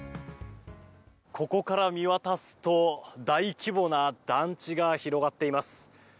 ここから見渡すと大規模な団地が広がっています。